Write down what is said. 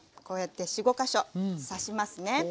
こうやって４５か所刺しますね。